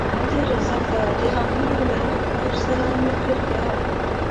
ماته يې را زده کړه د غمونو له هغه ښار سره ملګرتيا